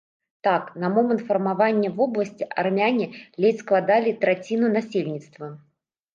Так, на момант фармавання вобласці армяне ледзь складалі траціну насельніцтва.